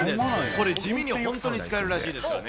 これ、地味に本当に使えるらしいですからね。